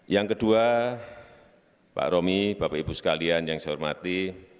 yang kedua pak romi bapak ibu sekalian yang saya hormati